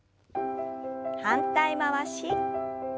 反対回し。